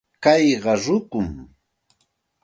Kayqa rukum.